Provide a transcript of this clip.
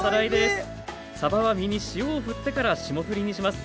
さばは身に塩をふってから霜降りにします。